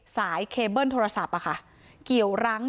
สายเคเบิ้ลโทรศัพท์เกี่ยวรั้ง